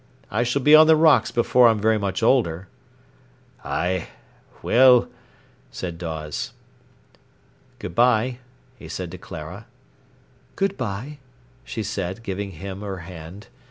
"I s'll be on the rocks before I'm very much older." "Ay—well—" said Dawes. "Good bye," he said to Clara. "Good bye," she said, giving him her hand.